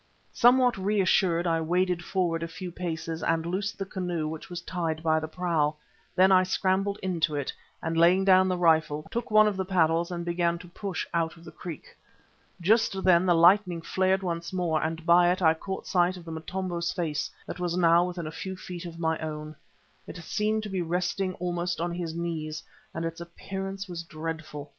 Somewhat reassured I waded forward a few paces and loosed the canoe which was tied by the prow. Then I scrambled into it, and laying down the rifle, took one of the paddles and began to push out of the creek. Just then the lightning flared once more, and by it I caught sight of the Motombo's face that was now within a few feet of my own. It seemed to be resting almost on his knees, and its appearance was dreadful.